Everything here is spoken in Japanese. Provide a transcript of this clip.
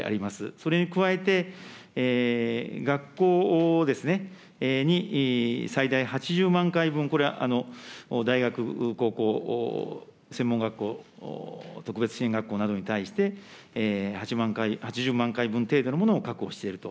それに加えて、学校ですね、に最大８０万回分、これ、大学、高校、専門学校、特別支援学校などに対して、８０万回分程度のものを確保していると。